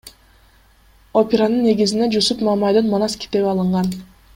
Операнын негизине Жусуп Мамайдын Манас китеби алынган.